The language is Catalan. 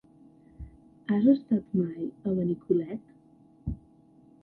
Has estat mai a Benicolet?